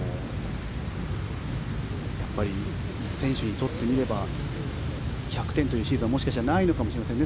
やっぱり選手にとってみれば１００点というシーズンはもしかしたらないのかもしれませんね。